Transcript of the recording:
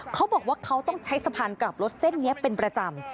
เขาบอกว่าเขาต้องใช้สะพานกลับรถเส้นนี้เป็นประจำ